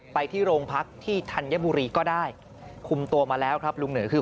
ไปที่โรงพักที่ธัญบุรีก็ได้คุมตัวมาแล้วครับลุงเหนือคือ